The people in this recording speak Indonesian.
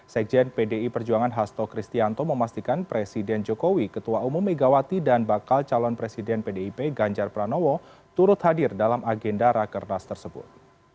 sekjen pdi perjuangan hasto kristianto memastikan presiden jokowi ketua umum megawati dan bakal calon presiden pdip ganjar pranowo turut hadir dalam agenda rakernas tersebut